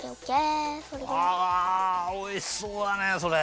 あおいしそうだねそれ。